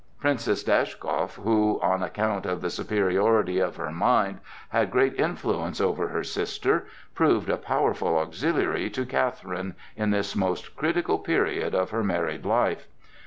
Princess Dashkow, who, on account of the superiority of her mind had great influence over her sister, proved a powerful auxiliary to Catherine in this most critical period of her married life.